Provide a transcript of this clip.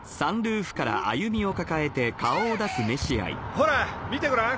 ほら見てごらん！